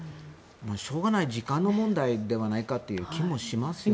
しょうがない、時間の問題ではないかという気がしますけどね。